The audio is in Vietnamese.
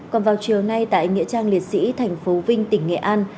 còn vào chiều nay tại nghịa trang liệt sĩ tp vinh tỉnh nghệ an